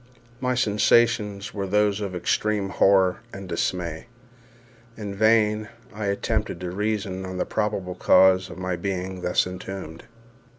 My sensations were those of extreme horror and dismay. In vain I attempted to reason on the probable cause of my being thus entombed.